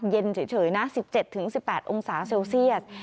เย็นเฉยนะ๑๗๑๘องศาเซลเซียส